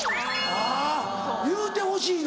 あぁ言うてほしいの？